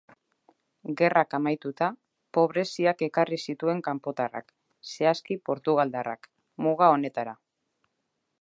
Gerrak amaituta, pobreziak ekarri zituen kanpotarrak, zehazki portugaldarrak, muga honetara.